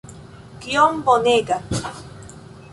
Kiom bonega!